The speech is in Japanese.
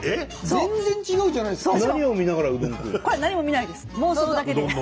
全然違うじゃないですか。